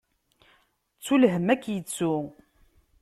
Ttu lhemm, ad k-ittu.